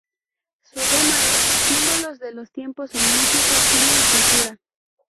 Su lema es "Símbolos de los tiempos en música, cine y cultura".